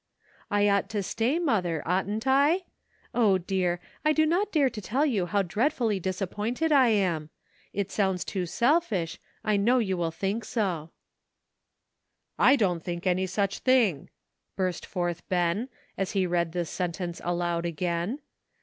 "I ought to stay, mother, oughtn't I? 0, dear! I do not dare to tell you how dreadfully disappointed I am ! It sounds too selfish, I know you will think so." "I don't think any such thing!" burst forth Ben, as he read this sentence aloud again.